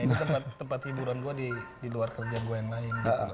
ini tempat hiburan gue di luar kerja gue yang lain